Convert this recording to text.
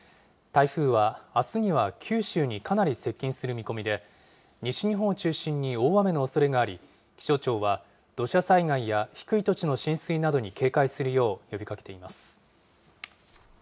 台風はあすには九州にかなり接近する見込みで、西日本を中心に大雨のおそれがあり、気象庁は、土砂災害や低い土地の浸水などに警戒するよう呼びかけています。